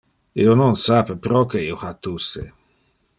Io non sape proque io ha tusse.